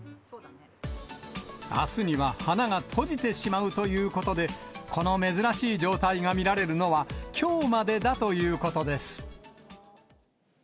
あすには花が閉じてしまうということで、この珍しい状態が見られるのは、きょうまでだということです。